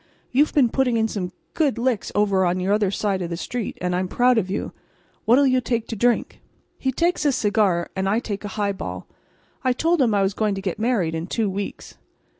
You've been putting in some good licks over on your side of the street, and I'm proud of you. What'll you take to drink?" He takes a cigar, and I take a highball. I told him I was going to get married in two weeks.